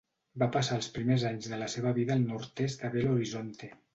Va passar els primers anys de la seva vida al nord-est de Belo Horizonte.